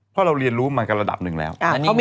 เพราะเราเรียนรู้มากันระดับหนึ่งแล้ว